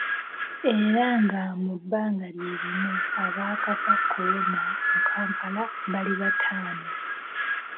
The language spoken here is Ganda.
Era nga mu bbanga lye limu abaakafa Corona mu Kampala bali bataano.